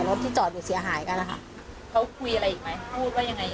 เขาคุยอะไรอีกไหมก็พูดว่ายังไง